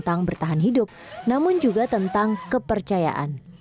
tentang bertahan hidup namun juga tentang kepercayaan